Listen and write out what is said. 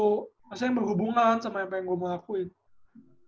maksudnya yang berhubungan sama yang pengen gue melakuin